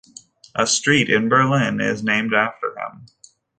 A street in Berlin is named after him.